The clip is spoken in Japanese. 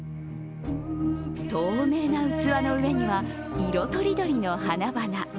透明な器の上には色とりどりの花々。